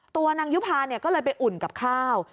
ตัวนางยุภาก็เลยไปอุ่นกับข้าว